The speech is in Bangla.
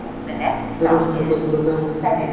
এরই অসহ্য ব্যথায় আমাকে খেপিয়ে তুলেছিল।